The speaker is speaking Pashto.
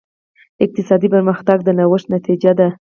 اقتصادي پرمختګ د نوښت نتیجه ده.